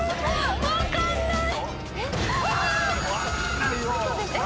分かんないよ！